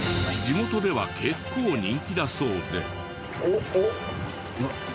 地元では結構人気だそうで。